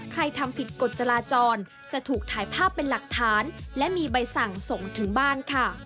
ทำผิดกฎจราจรจะถูกถ่ายภาพเป็นหลักฐานและมีใบสั่งส่งถึงบ้านค่ะ